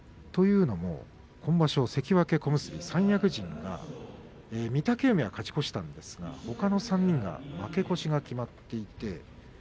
今場所、関脇、小結、三役陣が御嶽海は勝ち越したんですがほかの３人は負け越しが決まっています。